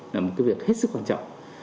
là một việc hết sức quan trọng